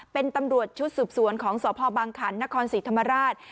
เป็นตำรวจชุดสืบสวนของสพบังขันนครศรีธรรมราช